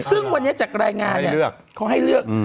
ซึ่งวันนี้จากรายงานเนี่ยเขาให้เลือก